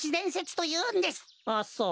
あっそう。